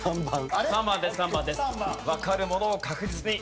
わかるものを確実に。